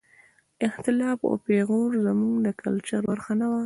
اختلاف او پېغور زموږ د کلچر برخه نه وه.